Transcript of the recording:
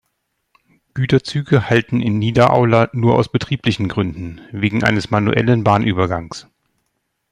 Güterzüge halten in Niederaula nur aus betrieblichen Gründen, wegen eines manuellen Bahnübergangs.